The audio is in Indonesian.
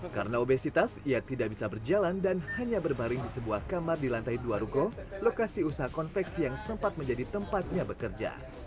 karena obesitas ia tidak bisa berjalan dan hanya berbaring di sebuah kamar di lantai dua ruko lokasi usaha konveksi yang sempat menjadi tempatnya bekerja